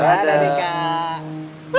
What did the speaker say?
ya udah deh kak